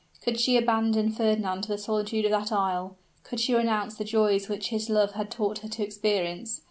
Could she abandon Fernand to the solitude of that isle? Could she renounce the joys which his love had taught her to experience?